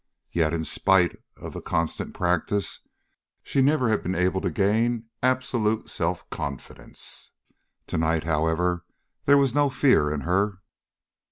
Yet, in spite of the constant practice, she never had been able to gain absolute self confidence. Tonight, however, there was no fear in her.